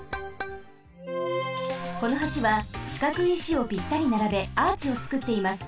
この橋はしかくい石をぴったりならべアーチをつくっています。